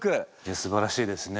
すばらしいですね。